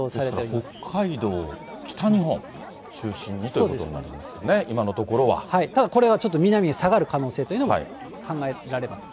北海道、北日本を中心にということになりますかね、今のとこただこれは、ちょっと南に下がる可能性というのも考えられます。